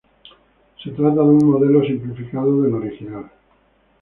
Se trata de un modelo simplificado del original.